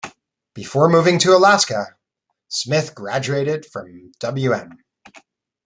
Before moving to Alaska, Smith graduated from Wm.